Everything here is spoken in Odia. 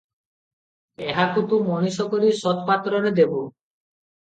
ଏହାକୁ ତୁ ମଣିଷ କରି ସତ୍ପାତ୍ରରେ ଦେବୁ ।